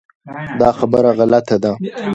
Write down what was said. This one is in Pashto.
دا خبره غلطه ده .